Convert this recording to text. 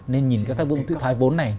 nên nhìn các vương tự thoái vốn này